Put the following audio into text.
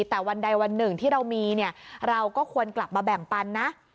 แต่วันใดวันหนึ่งที่เรามีเนี่ยเราก็ควรกลับมาแบ่งปันนะ